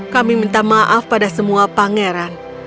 kami minta maaf pada semua pangeran